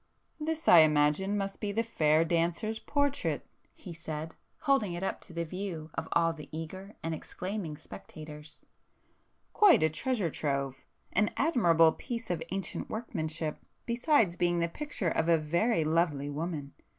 "This, I imagine must be the fair dancer's portrait,"—he said, holding it up to the view of all the eager and exclaiming spectators—"Quite a treasure trove! An admirable piece of [p 452] ancient workmanship, besides being the picture of a very lovely woman.